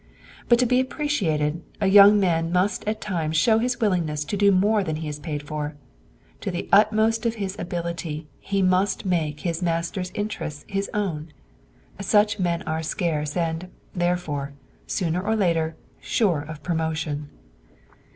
But to be appreciated, a young man must at times show his willingness to do more than he is paid for. To the utmost of his ability he must make his master's interests his own. Such men are scarce and, therefore, sooner or later, sure of promotion.